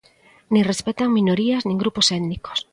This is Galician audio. Nin respectan minorías nin grupos étnicos.